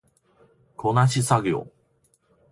こなし作業